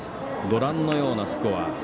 ご覧のようなスコア。